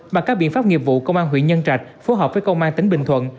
bằng các biện pháp nghiệp vụ công an huyện nhân trạch phối hợp với công an tỉnh bình thuận